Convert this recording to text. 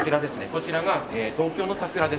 こちらが東京の桜です。